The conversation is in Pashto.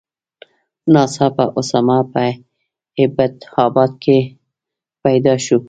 ناڅاپه اسامه په ایبټ آباد کې پیدا شو.